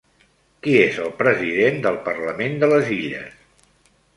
Qui és el president del parlament de les Illes?